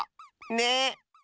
ねえ！